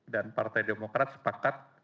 dan partai demokrat sepakat